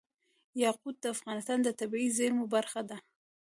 یاقوت د افغانستان د طبیعي زیرمو برخه ده.